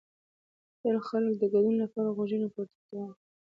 ډېر خلک د ګډون لپاره غږونه پورته کړي.